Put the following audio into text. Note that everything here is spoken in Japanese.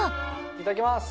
いただきます！